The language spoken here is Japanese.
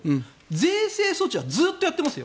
税制措置はずっとやってますよ。